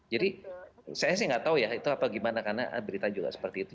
jadi saya sih nggak tahu ya itu apa gimana karena berita juga seperti itu